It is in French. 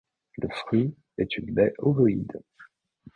Le fruit est une baie ovoïde.